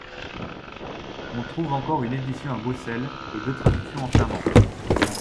On trouve encore une édition à Bruxelles et deux traductions en flamand.